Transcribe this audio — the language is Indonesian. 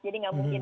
jadi nggak mungkin